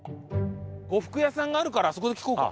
呉服屋さんがあるからあそこで聞こうか？